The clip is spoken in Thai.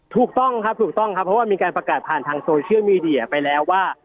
ถูกต้องครับถูกต้องครับเพราะว่ามีการประกาศผ่านทางโซเชียลมีเดียไปแล้วว่า